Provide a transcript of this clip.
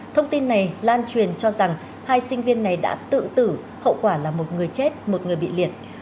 thông tin này lan truyền cho rằng hai sinh viên này đã tự tử hậu quả là một người chết một người bị liệt